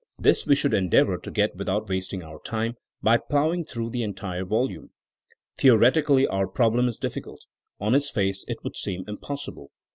This we should endeavor to get without wasting our time by plowing through the entire volume. Theoretically our problem is difficult; on its face it would seem impossible.